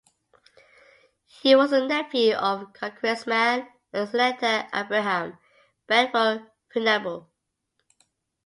He was the nephew of congressman and senator Abraham Bedford Venable.